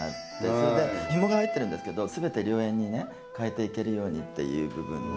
それでひもが入ってるんですけど全て良縁に変えていけるようにっていう部分の。